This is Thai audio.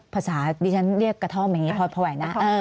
ภาษาดิฉันเรียกกระท่อมอย่างนี้พอไหวนะ